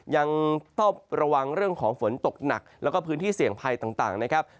ยังต้องระวังเรื่องของฝนตกหนักแล้วก็พื้นที่เสี่ยงภัยต่างนะครับ